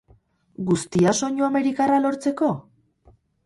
Guztia, soinu amerikarra lortzeko?